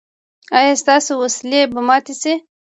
ایا ستاسو وسلې به ماتې شي؟